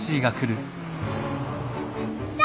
来た！